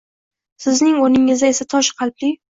Sizning o’rningizda esa tosh qalbli –